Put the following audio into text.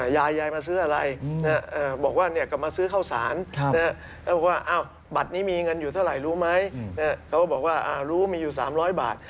ยายยายมาซื้ออะไรบอกว่ากลับมาซื้อข้าวสารแล้วบอกว่าบัตรนี้มีเงินอยู่เท่าไหร่รู้ไหมเขาก็บอกว่ารู้มีอยู่๓๐๐บาท